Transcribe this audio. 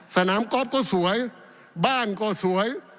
สนามกอล์ฟก็สวยบ้านก็สวย